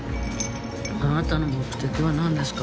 あなたの目的はなんですか？